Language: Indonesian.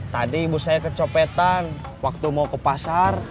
tadi ibu saya kecopetan waktu mau ke pasar